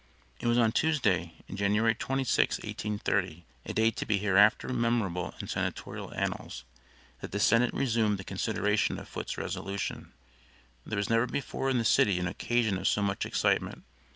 It was on Tuesday, January 26th, 1830 a day to be hereafter memorable in senatorial annals that the senate resumed the consideration of Foot's resolution. There was never before in the city an occasion of so much excitement.